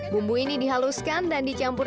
bumbu ini dihaluskan dan dicampur